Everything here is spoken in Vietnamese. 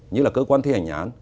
như là cơ quan thi hành nhán